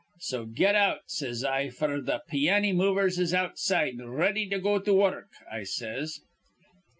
'So get out,' says I, 'f'r th' pianny movers is outside, r ready to go to wurruk,' I says.